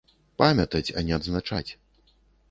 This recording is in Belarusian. Памятаць, а не адзначаць.